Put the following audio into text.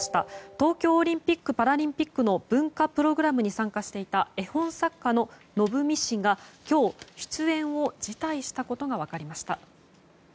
東京オリンピック・パラリンピックの文化プログラムに参加していた絵本作家の、のぶみ氏が今日、出演を辞退したことが分かりました。